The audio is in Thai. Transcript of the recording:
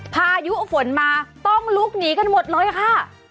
พายุฝนมาต้องลุกหนีกันหมดเลยค่ะ